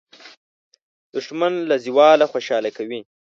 دښمن له زواله خوشالي کوي